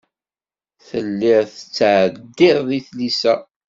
Telliḍ tettɛeddiḍ i tlisa.